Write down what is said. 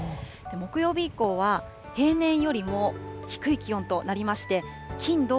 木曜日以降は、平年よりも低い気温となりまして、金、えー、１８度。